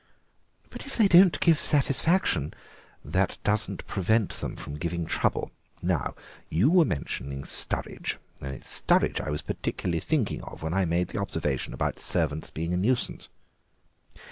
"But if they give satisfaction—" "That doesn't prevent them from giving trouble. Now, you've mentioned Sturridge—it was Sturridge I was particularly thinking of when I made the observation about servants being a nuisance."